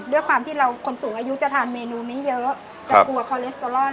ด้วยความที่เราคนสูงอายุจะทานเมนูนี้เยอะจะกลัวคอเลสเตอรอน